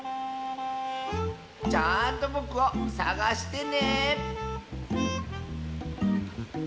ちゃんとぼくをさがしてね！